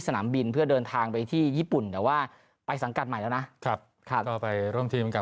สนามบินเพื่อเดินทางไปที่ญี่ปุ่นแต่ว่าไปสังกัดใหม่แล้วนะครับค่ะก็ไปร่วมทีมกับ